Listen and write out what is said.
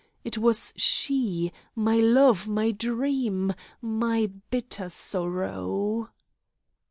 It was she, my love, my dream, my bitter sorrow!